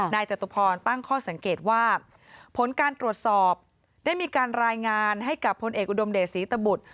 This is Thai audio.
จตุพรตั้งข้อสังเกตว่าผลการตรวจสอบได้มีการรายงานให้กับพลเอกอุดมเดชศรีตบุตร